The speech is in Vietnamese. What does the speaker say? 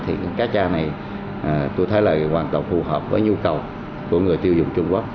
thì cá cha này tôi thấy là hoàn toàn phù hợp với nhu cầu của người tiêu dùng trung quốc